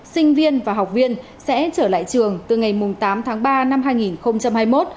sinh viên và học viên sẽ trở lại trường từ ngày tám tháng ba năm hai nghìn hai mươi một